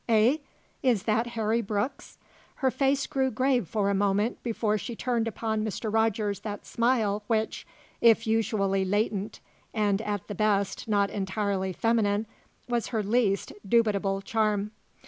Eh? Is that Harry Brooks?" Her face grew grave for a moment before she turned upon Mr. Rogers that smile which, if usually latent and at the best not entirely feminine, was her least dubitable charm.